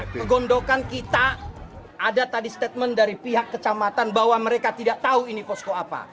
kegondokan kita ada tadi statement dari pihak kecamatan bahwa mereka tidak tahu ini posko apa